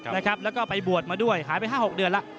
แล้วก็ไปบวชมาด้วยหายไป๕๖เดือนแล้ว